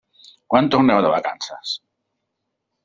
Quan torneu de vacances?